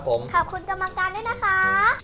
ขอบคุณกำลังการด้วยนะครับ